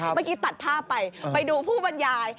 เมื่อกี้ตัดภาพไปไปดูผู้บรรยาย